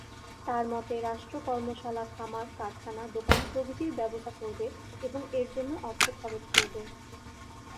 তার মতে রাষ্ট্র কর্মশালা খামার কারখানা দোকান প্রভৃতির ব্যবস্থা করবে এবং এর জন্য অর্থ খরচ করবে।